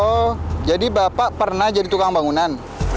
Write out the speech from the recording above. oh jadi bapak pernah jadi tukang bangunan